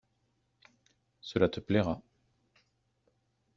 Cela te plaira.